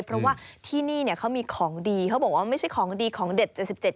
เพราะว่าที่นี่เนี่ยเขามีของดีเขาบอกว่าไม่ใช่ของดีของเด็ดเจ็ดสิบเจ็ด